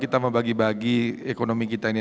kita membagi bagi ekonomi kita ini